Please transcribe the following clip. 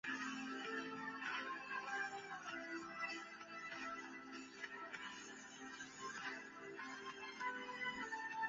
自由亩是位于美国亚利桑那州希拉县的一个人口普查指定地区。